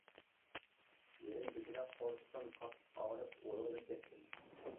يېرىم كېچىدە قورسىقىم قاتتىق ئاغرىپ ئويغىنىپ كەتتىم.